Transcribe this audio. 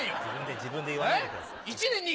自分で言わないでください。